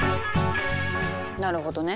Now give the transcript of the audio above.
なるほどね。